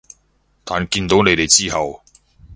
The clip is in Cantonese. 但見到你哋之後